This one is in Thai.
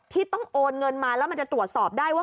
ที่ต้องโอนเงินมาแล้วมันจะตรวจสอบได้ว่า